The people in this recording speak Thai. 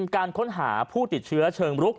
การค้นหาผู้ติดเชื้อเชิงรุก